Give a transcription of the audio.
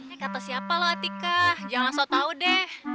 eh kata siapa lo atika jangan langsung tahu deh